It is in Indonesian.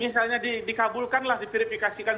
misalnya dikabulkanlah diverifikasikan